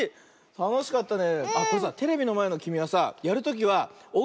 たのしかったね。